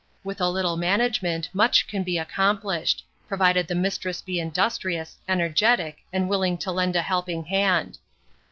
With a little management much can be accomplished, provided the mistress be industrious, energetic, and willing to lend a helping hand.